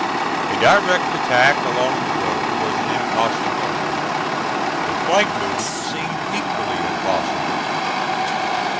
A direct attack along the road was an impossibility. A flank movement seemed equally impossible.